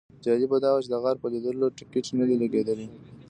جالبه دا وه چې د غار پر لیدلو ټیکټ نه دی لګېدلی.